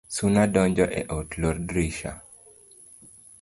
Suna donjo e ot , lor drisha